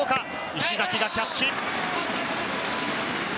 石崎がキャッチ。